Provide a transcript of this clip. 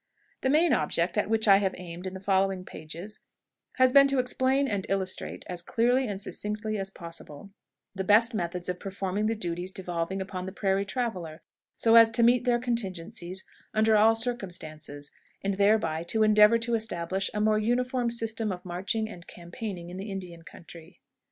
The main object at which I have aimed in the following pages has been to explain and illustrate, as clearly and succinctly as possible, the best methods of performing the duties devolving upon the prairie traveler, so as to meet their contingencies under all circumstances, and thereby to endeavor to establish a more uniform system of marching and campaigning in the Indian country.